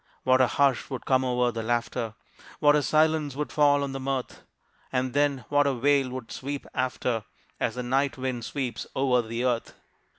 What a hush would come over the laughter! What a silence would fall on the mirth! And then what a wail would sweep after, As the night wind sweeps over the earth.